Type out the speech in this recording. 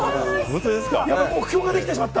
目標ができてしまった！